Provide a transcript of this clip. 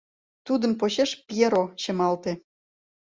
Тудын почеш Пьеро чымалте.